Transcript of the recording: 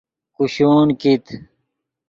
کوشون کیت